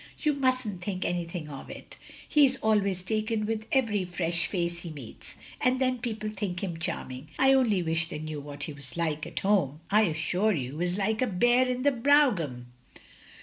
You mustn't think anything of it. He is always taken with every fresh face he meets; and then people think him charming! I only wish they knew what he was like at home. I assure you he was like a bear in the brougham.